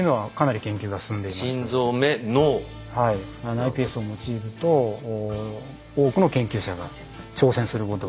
ｉＰＳを用いると多くの研究者が挑戦することが。